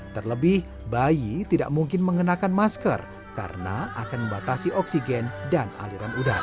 terlebih bayi tidak mungkin mengenakan masker karena akan membatasi oksigen dan aliran udara